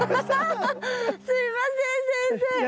すいません先生。